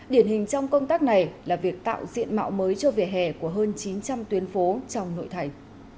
điển hình trong công tác này là việc tạo diện mạo mới cho vỉa hè của hơn chín trăm linh tuyến phố trong nội thành